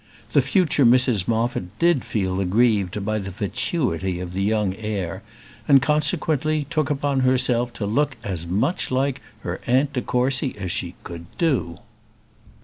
The future Mrs Moffat did feel aggrieved by the fatuity of the young heir, and, consequently, took upon herself to look as much like her Aunt de Courcy as she could do.